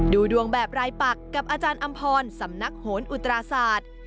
ดูดวงแบบรายปักกับอาจารย์อำพรสำนักโหนอุตราศาสตร์